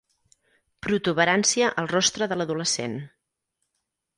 Protuberància al rostre de l'adolescent.